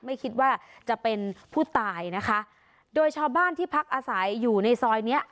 ไม่คิดว่าจะเป็นผู้ตายนะคะโดยชาวบ้านที่พักอาศัยอยู่ในซอยเนี้ย